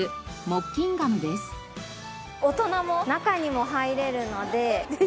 大人も中にも入れるのでぜひ。